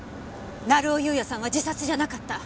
成尾優也さんは自殺じゃなかった。